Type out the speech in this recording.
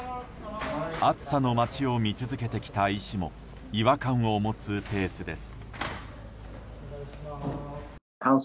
暑さの街を見続けてきた医師も違和感を持つペースです。